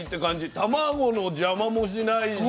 卵の邪魔もしないし。